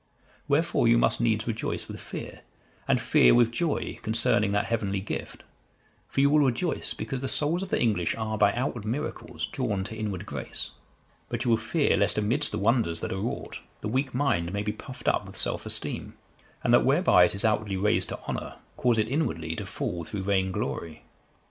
Wherefore you must needs rejoice with fear, and fear with joy concerning that heavenly gift; for you will rejoice because the souls of the English are by outward miracles drawn to inward grace; but you will fear, lest, amidst the wonders that are wrought, the weak mind may be puffed up with self esteem, and that whereby it is outwardly raised to honour cause it inwardly to fall through vain glory.